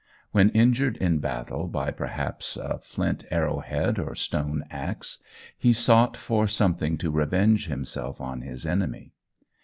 When injured in battle by perhaps a flint arrow head, or stone axe, he sought for something to revenge himself on his enemy.